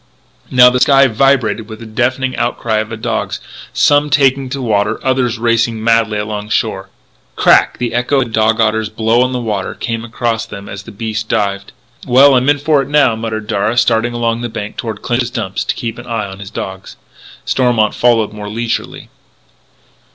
Now the sky vibrated with the deafening outcry of the dogs, some taking to water, others racing madly along shore. Crack! The echo of the dog otter's blow on the water came across to them as the beast dived. "Well, I'm in for it now," muttered Darragh, starting along the bank toward Clinch's Dump, to keep an eye on his dogs. Stormont followed more leisurely.